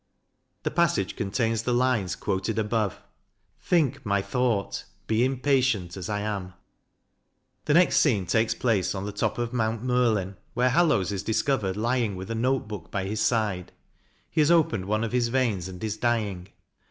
The passage contains the lines quoted above (p. 189) Think my thought, be impatient as I am . The next scene takes place on the top of Mount Merlin where Hallowes is discovered lying with a note book by his side. He has opened one of his veins, and is dying.